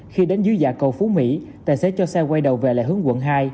khi đến dưới dạng cầu phú mỹ tài xế cho xe quay đầu về lại hướng quận hai